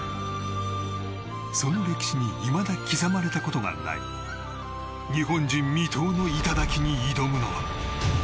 その歴史にいまだ刻まれたことがない日本人未踏の頂に挑むのは。